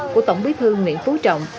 của tổng bí thư nguyễn phú trọng